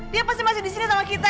dia pasti masih disini sama kita